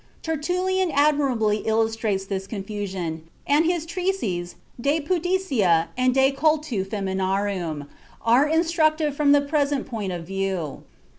Tertullian admirably illustrates this confusion, and his treatises De Pudicitia and De Cultu Feminarum are instructive from the present point of view.